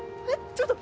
ちょっと！